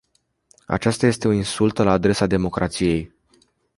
Aceasta este o insultă la adresa democrației.